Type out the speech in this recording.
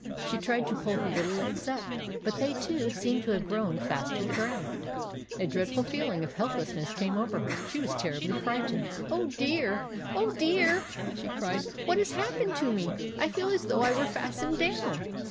She tried to pull her little legs up ; but they, too, seemed to have grown fast to the ground. A dreadful feeling of helplessness came over her. She was terribly frightened. " Oh, dear ! Oh, dear !" she cried. " What has happened to me? I feel as though I were fastened down."